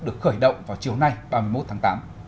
được khởi động vào chiều nay ba mươi một tháng tám